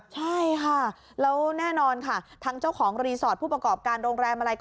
ใช่ค่ะแล้วแน่นอนค่ะทางเจ้าของรีสอร์ทผู้ประกอบการโรงแรมอะไรก็